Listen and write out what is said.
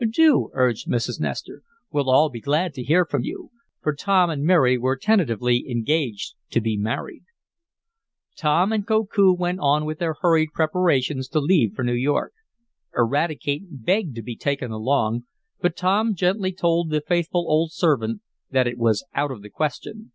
"Do," urged Mrs. Nestor. "We'll all be glad to hear from you," for Tom and Mary were tentatively engaged to be married. Tom and Koku went on with their hurried preparations to leave for New York. Eradicate begged to be taken along, but Tom gently told the faithful old servant that it was out of the question.